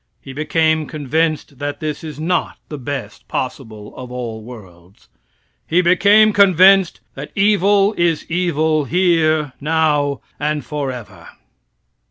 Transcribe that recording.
He became convinced that this is not the best possible of all worlds. He became convinced that evil is evil here, now and forever.